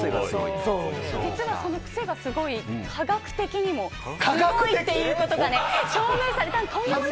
実は、そのクセがスゴい科学的にもすごいっていうことを証明されたんです。